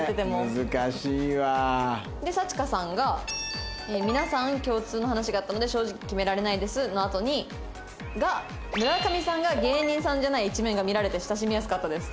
難しいわ。でさちかさんが「みなさん共通の話があったので正直決められないです」のあとにが村上さんが「芸人さんじゃない一面が見られて親しみやすかったです」。